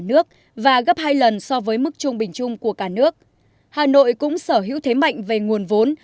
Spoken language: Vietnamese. nước và gấp hai lần so với mức trung bình chung của cả nước hà nội cũng sở hữu thế mạnh về nguồn vốn